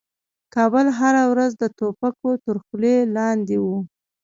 کابل هره ورځ د توپکو تر خولې لاندې و.